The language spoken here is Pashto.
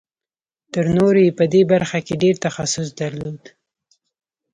تر نورو یې په دې برخه کې ډېر تخصص درلود